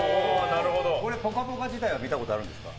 「ぽかぽか」自体は見たことあるんですか？